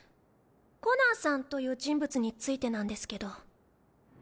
コナーさんという人物についてなんですけど。